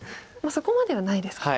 そこまではないですか。